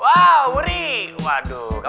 waduh kamu udah siapin puisinya